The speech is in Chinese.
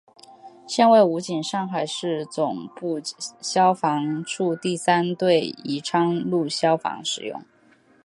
现为武警上海市总队消防处第三大队宜昌路消防队使用。